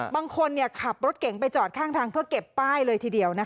บางคนขับรถเก่งไปจอดข้างทางเพื่อเก็บป้ายเลยทีเดียว